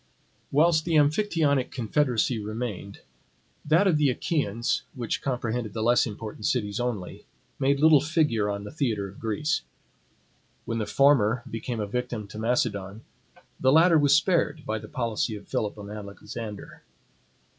Whilst the Amphictyonic confederacy remained, that of the Achaeans, which comprehended the less important cities only, made little figure on the theatre of Greece. When the former became a victim to Macedon, the latter was spared by the policy of Philip and Alexander.